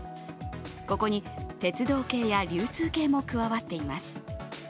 ここに鉄道系や流通系も加わっています。